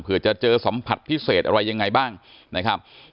เพื่อจะเจอสัมผัสพิเศษอะไรยังไงบ้างนะครับ